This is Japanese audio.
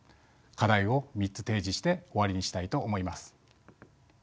課題を３つ提示して終わりにしたいと思います。